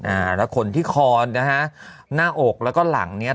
อ่าแล้วคนที่คอนะฮะหน้าอกแล้วก็หลังเนี้ย